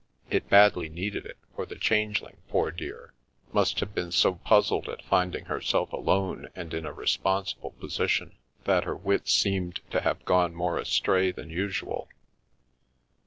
It badly needed it, for the Changeling, poor dear, must have been so puzzled at finding herself alone and in a responsible position, that her wits seemed to have gone more astray than usual.